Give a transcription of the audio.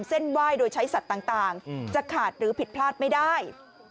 เส้นไหว้โดยใช้สัตว์ต่างจะขาดหรือผิดพลาดไม่ได้